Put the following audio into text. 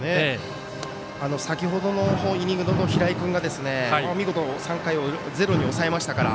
先ほどのイニングの平井君が見事３回をゼロに抑えましたから。